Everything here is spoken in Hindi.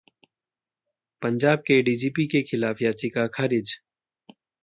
पंजाब के डीजीपी के खिलाफ याचिका खारिज